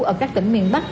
ở các tỉnh miền bắc